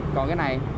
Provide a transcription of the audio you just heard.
còn cái này